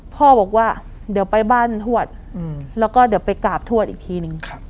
พ่อบอกว่าเดี๋ยวไปบ้านทวดแล้วก็เดี๋ยวไปกราบทวดอีกทีนึง